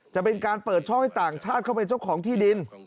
จะเป็นการเปิดช่องให้ต่างชาติเข้าไปเจ้าของที่ดิน